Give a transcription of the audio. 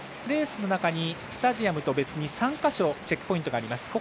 レースの中にスタジアムと別に３か所のチェックポイントがあります。